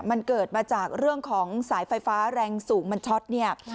มันเกิดมาจากเรื่องของสายไฟฟ้าแรงสูงมันช็อตเนี่ย